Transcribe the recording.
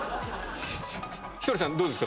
ひとりさんどうですか？